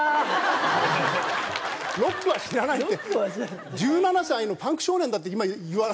ロックは死なないって。